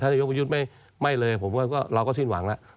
นายกประยุทธ์ไม่เลยผมว่าเราก็สิ้นหวังแล้ว